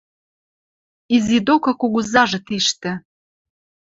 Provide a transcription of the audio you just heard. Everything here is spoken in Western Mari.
Изи докы кугузажы тиштӹ